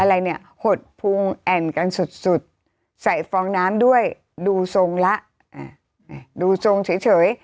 อะไรเนี่ยหดพุงแอ่นกันสุดใส่ฟองน้ำด้วยดูทรงละดูทรงเฉย